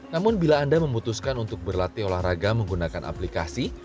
namun bila anda memutuskan untuk berlatih olahraga menggunakan aplikasi